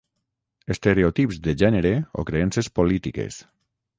estereotips de gènere o creences polítiques